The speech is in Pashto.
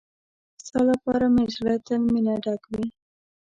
ستا لپاره مې زړه تل مينه ډک وي.